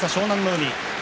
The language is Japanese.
海。